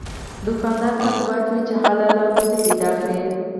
دوکاندار تل دعا کوي چې حلال روزي پیدا کړي.